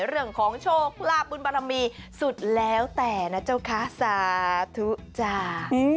เรื่องของโชคลาภบุญบารมีสุดแล้วแต่นะเจ้าคะสาธุจ้า